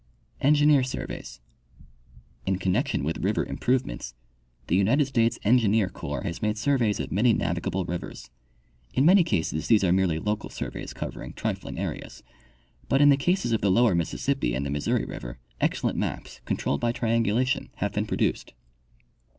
Engineer Surveys. — In connection with river improvements, the United States Engineer corps has made surveys of many navi gable rivers. In many cases these are merely local surveys covering trifling areas, but in the cases of the lower Mississippi and the Missouri river excellent maps, controlled by triangula tion, have been produced.